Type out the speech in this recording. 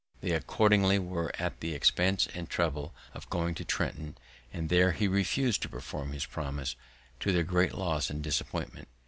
They accordingly were at the expense and trouble of going to Trenton, and there he refus'd to perform his promise, to their great loss and disappointment.